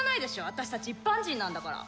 私たち一般人なんだから！